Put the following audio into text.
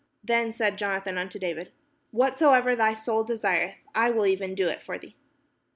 Then said Jonathan unto David: "Whatsoever thy soul desireth, I will even do it for thee."